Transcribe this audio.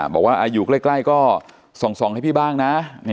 บอกว่าอยู่ใกล้ก็ส่องให้พี่บ้างนะ